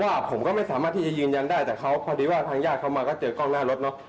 ผมก็ไม่สามารถที่จะยืนยันได้แต่เขาพอดีว่าทางญาติเขามาก็เจอกล้องหน้ารถเนอะ